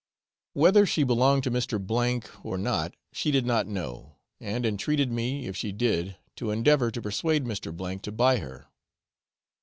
Whether she still belonged to Mr. K or not she did not know, and entreated me if she did to endeavour to persuade Mr. to buy her.